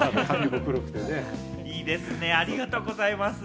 いいですね、ありがとうございます。